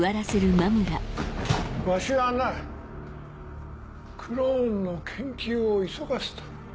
わしはなクローンの研究を急がせた。